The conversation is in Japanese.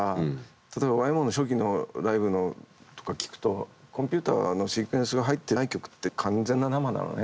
例えばＹＭＯの初期のライブのとか聴くとコンピューターのシーケンスが入ってない曲って完全な生なのね演奏が。